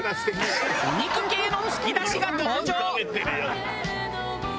お肉系のつきだしが登場。